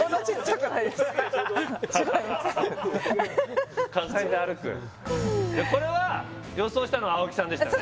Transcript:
かついで歩くこれは予想したのは青木さんでしたよね